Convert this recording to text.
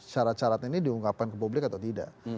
syarat syarat ini diungkapkan ke publik atau tidak